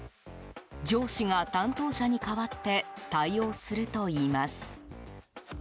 上司が担当者に代わって対応するといいます。